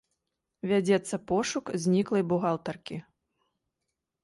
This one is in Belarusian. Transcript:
Вядзецца пошук зніклай бухгалтаркі.